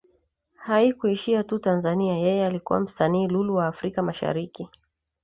Haikushia tu Tanzania yeye alikuwa msanii lulu wa Africa mashariki